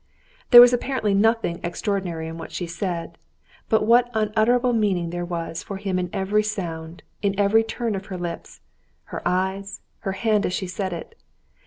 There was apparently nothing extraordinary in what she said, but what unutterable meaning there was for him in every sound, in every turn of her lips, her eyes, her hand as she said it!